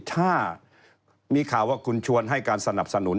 ถ้ามีข่าวว่าคุณชวนให้การสนับสนุน